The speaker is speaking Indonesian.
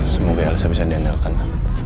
semoga elsa bisa diandalkan